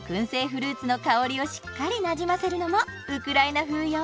フルーツの香りをしっかりなじませるのもウクライナ風よ。